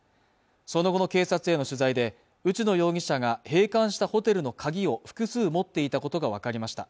その後の警察への取材で内野容疑者が閉館したホテルの鍵を複数持っていたことが分かりました